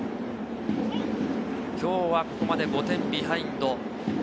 今日はここまで５点ビハインド。